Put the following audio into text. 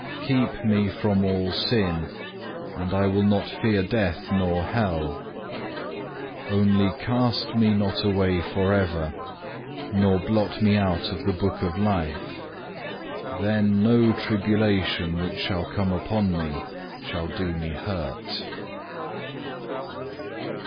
Keep me from all sin, and I will not fear death nor hell. Only cast me not away for ever, nor blot me out of the book of life. Then no tribulation which shall come upon me shall do me hurt.